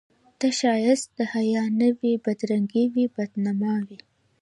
ته ښایست د حیا نه وې بدرنګي وې بد نما وې